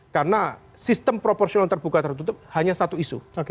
karena sistem proporsional yang terbuka tertutup hanya satu isu